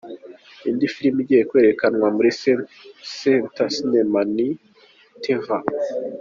Indi filimi igiye kwerekanwa muri Century Cinema ni "Tevar".